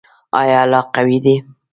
آیا الله قوی دی؟